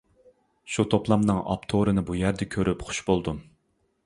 شۇ توپلامنىڭ ئاپتورىنى بۇ يەردە كۆرۈپ خۇش بولدۇم.